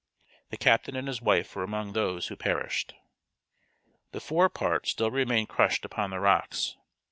The captain and his wife were among those who perished. The forepart still remained crushed upon the rocks.